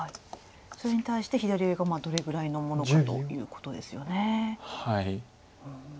それに対して左上がどれぐらいのものかということですよね。